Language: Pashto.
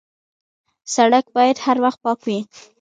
سړک باید هر وخت پاک وي.